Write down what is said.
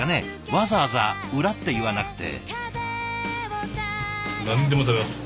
わざわざ裏っていわなくて。